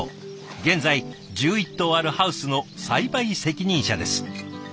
現在１１棟あるハウスの栽培責任者です。